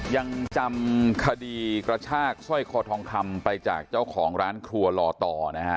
ยังจำคดีกระชากสร้อยคอทองคำไปจากเจ้าของร้านครัวลอต่อนะฮะ